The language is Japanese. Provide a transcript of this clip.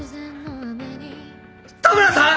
田村さん！